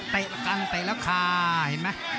เตะละกันเตะละคาเห็นมั้ย